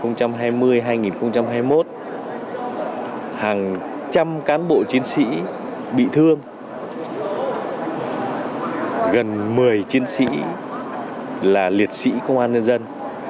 gần một mươi chiến sĩ là liệt sĩ công an nhân dân